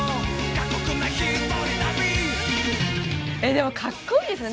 でもかっこいいですね。